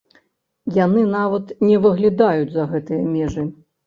Яны нават не выглядаюць за гэтыя межы!